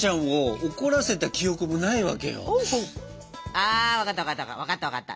あ分かった分かった分かった分かった。